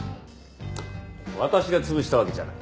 私が潰したわけじゃない。